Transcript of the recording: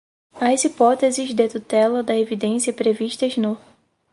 às hipóteses de tutela da evidência previstas no